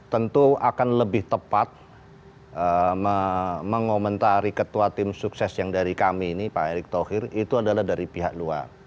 tentu akan lebih tepat mengomentari ketua tim sukses yang dari kami ini pak erick thohir itu adalah dari pihak luar